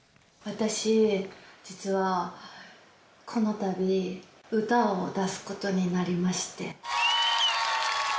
私、実はこのたび、歌を出すことになりまして。